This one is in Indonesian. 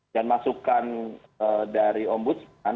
dan masukan dari ombudsman